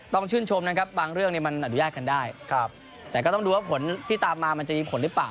ต้องชื่นชมนะครับบางเรื่องเนี่ยมันอนุญาตกันได้แต่ก็ต้องดูว่าผลที่ตามมามันจะมีผลหรือเปล่า